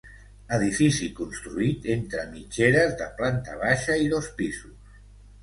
Edifici construït entre mitgeres de planta baixa i dos pisos.